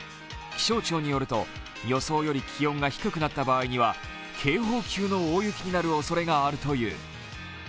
気象庁によると予想より気温が低くなった場合には警報級の大雪になるおそれがあるという。